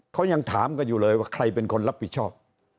เขายังถามกันอยู่เลยว่าใครเป็นคนรับผิดชอบ